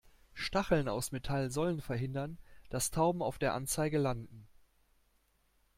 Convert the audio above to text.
Stacheln aus Metall sollen verhindern, dass Tauben auf der Anzeige landen.